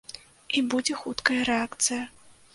І будзе хуткая рэакцыя.